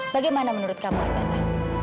bagaimana menurut kamu andara